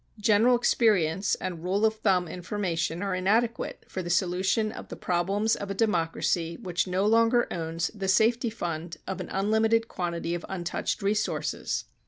General experience and rule of thumb information are inadequate for the solution of the problems of a democracy which no longer owns the safety fund of an unlimited quantity of untouched resources.